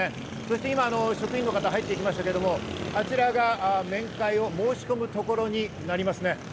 今、職員の方が入ってきましたけれど、あちらが面会を申し込む所になります。